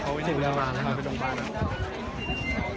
ก็ไม่มีใครกลับมาเมื่อเวลาอาทิตย์เกิดขึ้น